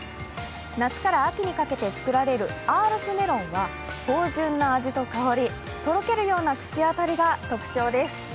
夏から秋にかけて作られるアールスメロンは芳じゅんな味と香りとろけるような口当たりが特徴です。